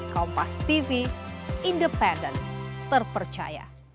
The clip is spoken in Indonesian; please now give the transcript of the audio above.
kompas tv independen terpercaya